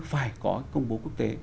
phải có công bố quốc tế